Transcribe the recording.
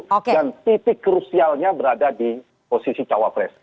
dan titik krusialnya berada di posisi cawapres